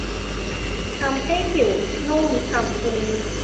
ทำให้ผิวนุ่มฉ่ำฟู